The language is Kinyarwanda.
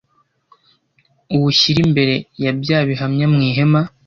uwushyire imbere ya bya bihamya mu ihema